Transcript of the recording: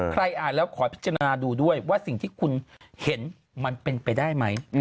อ่านแล้วขอพิจารณาดูด้วยว่าสิ่งที่คุณเห็นมันเป็นไปได้ไหม